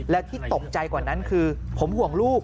แล้วที่ตกใจกว่านั้นคือผมห่วงลูก